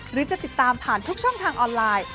หรือจะติดตามผ่านทุกช่องทางออนไลน์